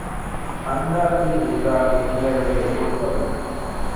އަންދާސީ ހިސާބު ހުށަހެޅުމުގެ ފުރުޞަތު